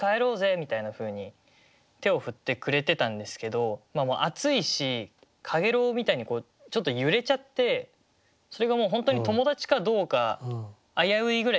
みたいなふうに手を振ってくれてたんですけど暑いし陽炎みたいにちょっと揺れちゃってそれがもう本当に友達かどうか危ういぐらい。